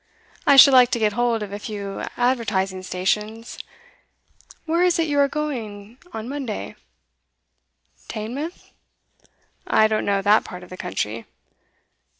I should like to get hold of a few advertising stations. Where is it you are going to on Monday? Teignmouth? I don't know that part of the country.